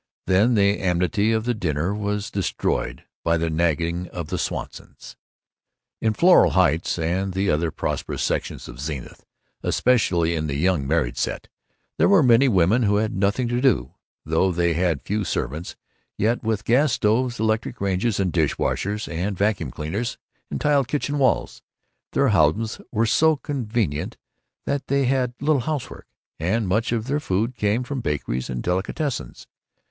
Then the amity of the dinner was destroyed by the nagging of the Swansons. In Floral Heights and the other prosperous sections of Zenith, especially in the "young married set," there were many women who had nothing to do. Though they had few servants, yet with gas stoves, electric ranges and dish washers and vacuum cleaners, and tiled kitchen walls, their houses were so convenient that they had little housework, and much of their food came from bakeries and delicatessens.